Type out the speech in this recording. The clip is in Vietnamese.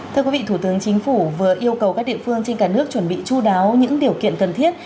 thưa quý vị thủ tướng chính phủ vừa yêu cầu các địa phương trên cả nước chuẩn bị chú đáo những điều kiện cần thiết